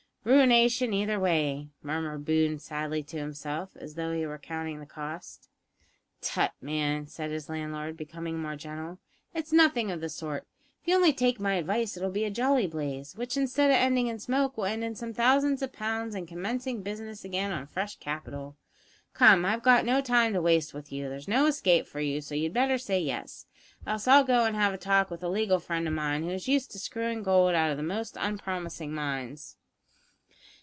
"Ruination either way," murmured Boone sadly to himself, as though he were counting the cost. "Tut, man," said his landlord, becoming more gentle, "it's nothing of the sort. If you only take my advice, it'll be a jolly blaze, which, instead of ending in smoke will end in some thousands of pounds and commencing business again on fresh capital. Come, I've not got time to waste with you. There's no escape for you, so you'd better say yes, else I'll go and have a talk with a legal friend of mine who is used to screwing gold out of most unpromising mines."